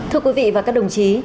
thưa quý vị và các đồng chí